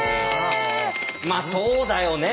まあそうだよね。